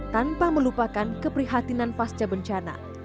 tanpa melupakan keprihatinan pasca bencana